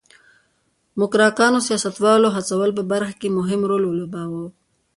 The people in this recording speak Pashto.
موکراکانو سیاستوالو هڅولو برخه کې مهم رول ولوباوه.